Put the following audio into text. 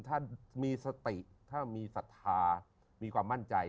ถ้ามีสติถ้ามีศรัทธามีความมั่นใจ